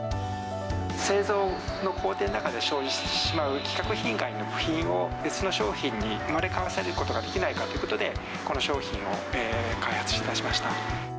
製造の工程の中で生じてしまう規格品外の部品を、別の商品に生まれ変わらせることができないかということで、この商品を開発いたしました。